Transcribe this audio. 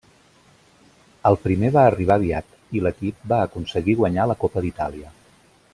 El primer va arribar aviat, i l'equip va aconseguir guanyar la Copa d'Itàlia.